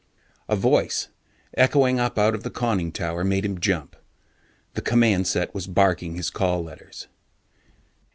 A voice, echoing up out of the conning tower, made him jump. The command set was barking his call letters.